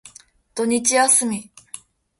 土日休み。